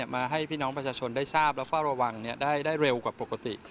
มาให้พี่น้องประชาชนได้ทราบและเฝ้าระวังได้เร็วกว่าปกติ